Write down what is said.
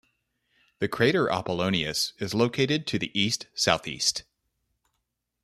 The crater Apollonius is located to the east-southeast.